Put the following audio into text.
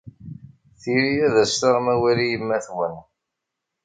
Tili ad as-taɣem awal i yemma-twen.